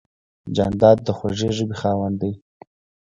جانداد د خوږې خبرې خاوند دی.